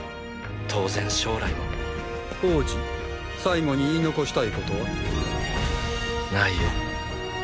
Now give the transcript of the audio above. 当然将来も王子最期に言い残したいことは？無いよ。